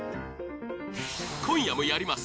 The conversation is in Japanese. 今夜もやります！